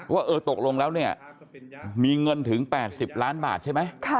ว่าเออตกลงแล้วเนี่ยมีเงินถึง๘๐ล้านบาทใช่ไหม